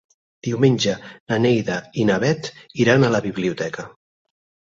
Diumenge na Neida i na Bet iran a la biblioteca.